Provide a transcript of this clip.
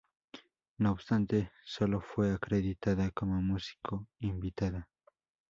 No obstante, solo fue acreditada como músico invitada.